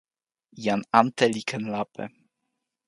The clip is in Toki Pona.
jan ante li ken lape.